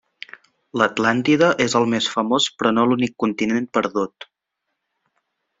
L'Atlàntida és el més famós però no l'únic continent perdut.